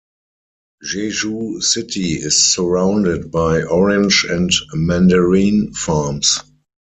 Jeju City is surrounded by orange and mandarin farms.